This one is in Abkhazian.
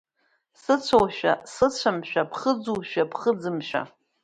Сыцәоушәа, сыцәамшәа, ԥхыӡушәа, ԥхыӡымшәа…